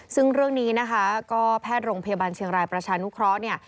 ซึ่งเรื่องนี้นะคะก็แพทย์โรงพยาบาลเชียงรายประชานุเคราะห์เนี่ย